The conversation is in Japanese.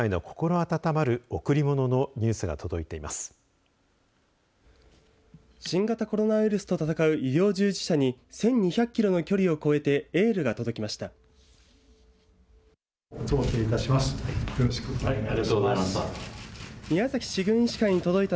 新型コロナウイルスと闘う医療従事者に１２００キロの距離を超えてエールが届きました。